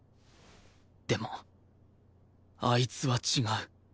でもあいつは違う